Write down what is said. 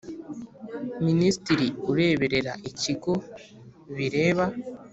Minisitiri ureberera ikigo bireba .